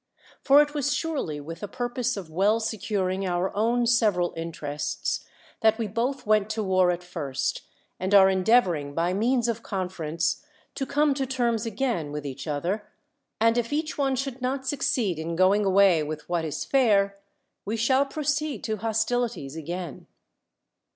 For it was surely with a purpose of well securing our own several interests that we both went to war at first, and are endeavoring by means of conference to come to terms again with each other; and if each one should not succeed in go ing away with what is fair, we shall proceed to hostilities again.